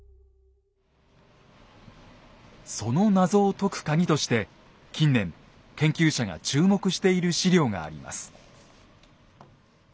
その謎を解くカギとして近年研究者が注目している史料があります。